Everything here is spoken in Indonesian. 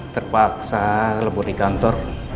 terpaksa lebur di kantor